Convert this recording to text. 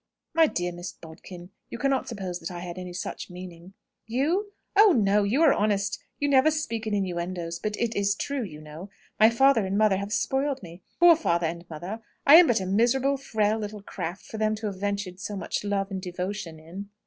"My dear Miss Bodkin, you cannot suppose that I had any such meaning." "You? Oh, no! You are honest: you never speak in innuendoes. But it is true, you know. My father and mother have spoiled me. Poor father and mother! I am but a miserable, frail little craft for them to have ventured so much love and devotion in!"